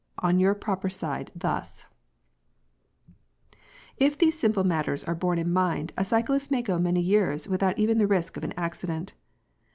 6. If these simple matters are borne in mind, a cyclist may go many years without even the risk of an accident.